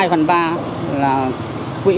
các bác sĩ đã góp sức